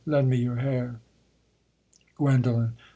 Lend me your hair!_ GUENDOLEN.